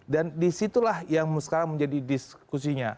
dan disitulah yang sekarang menjadi diskusinya